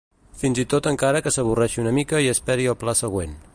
Fins i tot encara que s'avorreixi una mica i esperi el pla següent.